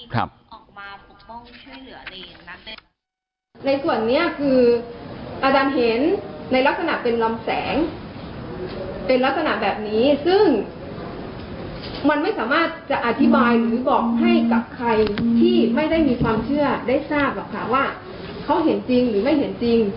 คือเขาก็